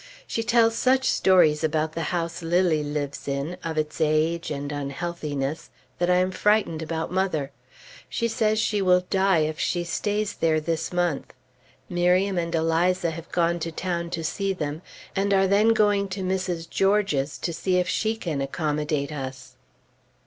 She tells such stories about the house Lilly lives in, of its age, and unhealthiness, that I am frightened about mother. She says she will die if she stays there this month. Miriam and Eliza have gone to town to see them, and are then going to Mrs. George's to see if she can accommodate us.